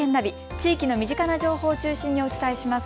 地域の身近な情報を中心にお伝えします。